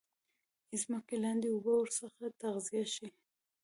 ځمکې لاندي اوبه ورڅخه تغذیه شي.